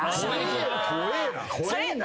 怖えな。